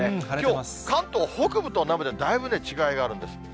きょう、関東北部と南部で、だいぶね、違いがあるんです。